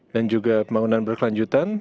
dan juga pembangunan berkelanjutan